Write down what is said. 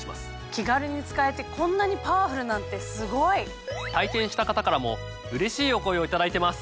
気軽に使えてこんなにパワフルなんてすごい！体験した方からもうれしいお声を頂いてます。